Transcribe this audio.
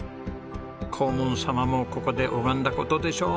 黄門様もここで拝んだ事でしょう。